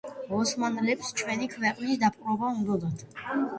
ოსმანლებს ჩვენი ქვეყნის დაბრყობა უნდოდათ